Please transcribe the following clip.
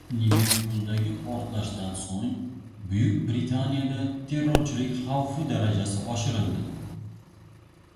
Liverpuldagi portlashdan so‘ng, Buyuk Britaniyada terrorchilik xavfi darajasi oshirildi